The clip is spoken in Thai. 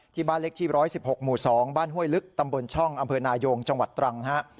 ที่บ้านเล็กที่๑๑๖หมู่๒บ้านห้วยลึกตำบลช่องอำเภอนายงจังหวัดตรังฮะ